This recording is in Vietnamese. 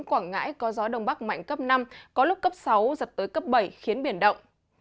quảng ngãi có gió đông bắc mạnh cấp năm có lúc cấp sáu giật tới cấp bảy khiến biển động